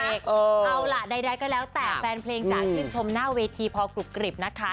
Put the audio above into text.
เอาล่ะใดก็แล้วแต่แฟนเพลงจะชื่นชมหน้าเวทีพอกรุบกริบนะคะ